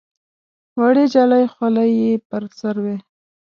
وړې جالۍ خولۍ یې پر سر وې.